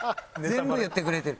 全部言ってくれてる。